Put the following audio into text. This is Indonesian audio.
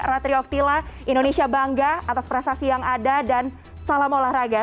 ratri oktila indonesia bangga atas prestasi yang ada dan salam olahraga